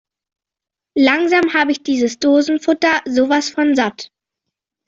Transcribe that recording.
Langsam habe ich dieses Dosenfutter sowas von satt!